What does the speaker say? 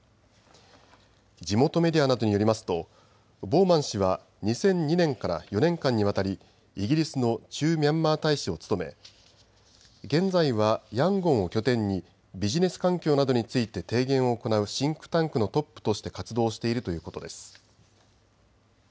地元メディアなどによりますとボウマン氏は２００２年から４年間にわたりイギリスの駐ミャンマー大使を務め、現在はヤンゴンを拠点にビジネス環境などについて提言を行うシンクタンクのトップとして活動しているということです。